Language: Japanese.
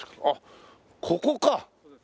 あっここか！